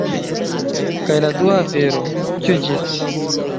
Kaj la dua afero... kio ĝi estis?